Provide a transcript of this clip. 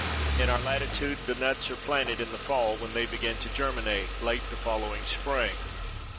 In our latitude the nuts are planted in the fall when they begin to germinate late the following spring.